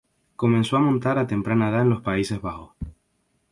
Comenzó a montar a temprana edad en los Países Bajos.